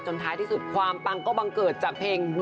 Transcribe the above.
ท้ายที่สุดความปังก็บังเกิดจากเพลง